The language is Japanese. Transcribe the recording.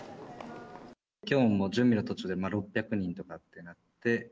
きょうも準備の途中で６００人とかってなって。